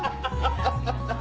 ハハハハハ！